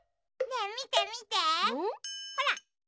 ねえみてみてほら。